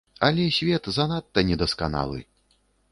Але свет занадта недасканалы.